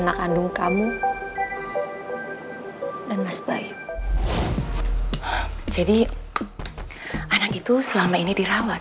anak saya tidak pernah ter moi ke dunia